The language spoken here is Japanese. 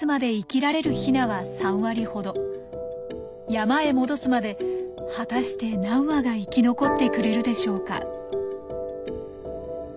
山へ戻すまで果たして何羽が生き残ってくれるでしょうか。